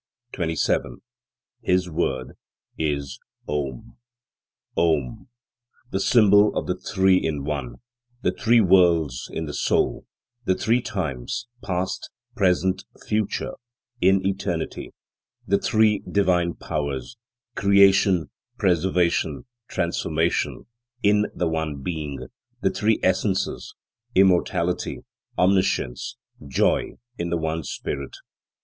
27. His word is OM. OM: the symbol of the Three in One, the three worlds in the Soul; the three times, past, present, future, in Eternity; the three Divine Powers, Creation, Preservation, Transformation, in the one Being; the three essences, immortality, omniscience, joy, in the one Spirit.